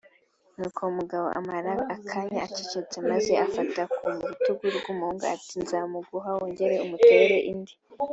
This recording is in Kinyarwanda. ” Nuko umugabo amara akanya acecetse maze afata ku rutugu rw’umuhungu ati ”Nzamuguha wongere umutere indi